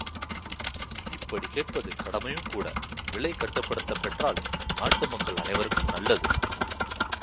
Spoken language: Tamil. இப்படிக் கேட்பது கடமையும்கூட விலை, கட்டுப்படுத்த பெற்றால் நாட்டு மக்கள் அனைவருக்கும் நல்லது.